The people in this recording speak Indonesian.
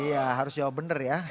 iya harus jawab benar ya